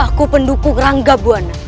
ayahku pendukung rangga bwana